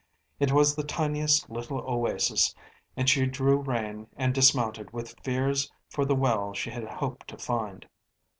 It was the tiniest little oasis, and she drew rein and dismounted with fears for the well she had hoped to find.